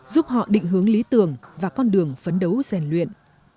giúp họ định hướng lý tưởng và con đường phấn đấu rèn luyện